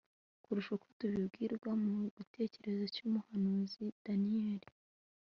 kurusha uko tubibwirwa mu gitekerezo cy'umuhanuzi daniyeli